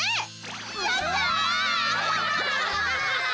やった！